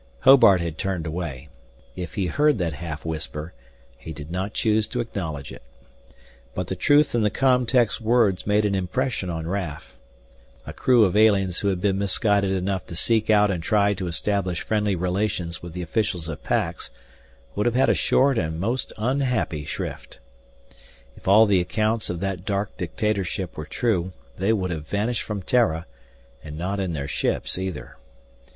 Hobart had turned away. If he heard that half whisper, he did not choose to acknowledge it. But the truth in the com tech's words made an impression on Raf, a crew of aliens who had been misguided enough to seek out and try to establish friendly relations with the officials of Pax would have had a short and most unhappy shrift. If all the accounts of that dark dictatorship were true, they would have vanished from Terra, and not in their ships either.